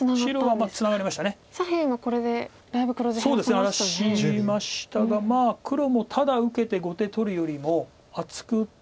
荒らしましたが黒もただ受けて後手取るよりも厚く打って。